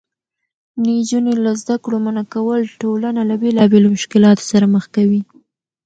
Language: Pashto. نجونې له زده کړو منعه کول ټولنه له بېلابېلو مشکلاتو سره مخ کوي.